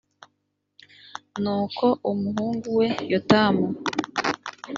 nuko umuhungu we yotamu